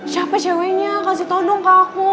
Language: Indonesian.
siapa ceweknya kasih tau dong kakak